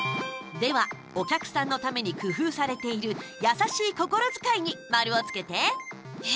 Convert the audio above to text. では、お客さんのために工夫されている優しい心遣いに丸をつけて。